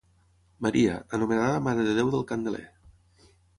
Maria, anomenada Mare de Déu del Candeler.